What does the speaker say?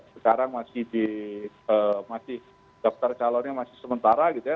sekarang masih daftar calonnya masih sementara gitu ya